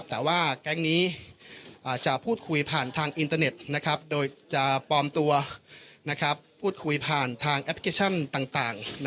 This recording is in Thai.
แต่ว่าแก๊งนี้จะพูดคุยผ่านทางอินเตอร์เน็ตโดยจะปลอมตัวพูดคุยผ่านทางแอปพลิเคชันต่าง